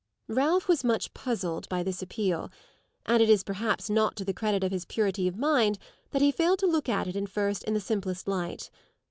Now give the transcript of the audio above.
Ralph was much puzzled by this appeal, and it is perhaps not to the credit of his purity of mind that he failed to look at it at first in the simplest light.